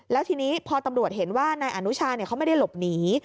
แล้วทีนี้พอตำรวจเห็นว่านายอนุชาเขาไม่ได้หลบหนี